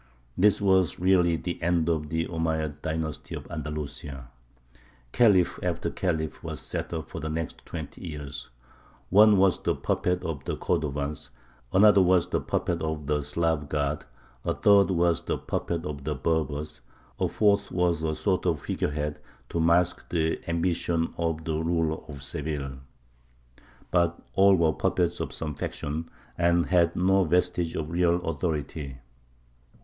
This was really the end of the Omeyyad dynasty of Andalusia. Khalif after khalif was set up for the next twenty years; one was the puppet of the Cordovans, another was the puppet of the Slav guards; a third was the puppet of the Berbers; a fourth was a sort of figure head to mask the ambition of the ruler of Seville; but all were puppets of some faction, and had no vestige of real authority.